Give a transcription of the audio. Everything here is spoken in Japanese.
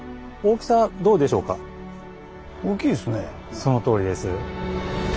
そのとおりです。